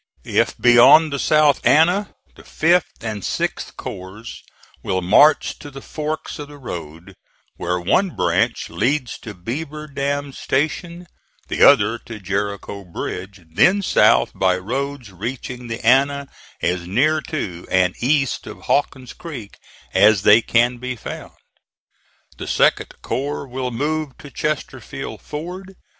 If beyond the South Anna, the 5th and 6th corps will march to the forks of the road, where one branch leads to Beaver Dam Station, the other to Jericho Bridge, then south by roads reaching the Anna, as near to and east of Hawkins Creek as they can be found. The 2d corps will move to Chesterfield Ford.